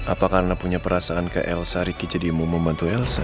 apa karena punya perasaan ke elsa ricky jadi mau membantu elsa